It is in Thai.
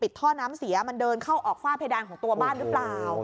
ท่อน้ำเสียมันเดินเข้าออกฝ้าเพดานของตัวบ้านหรือเปล่า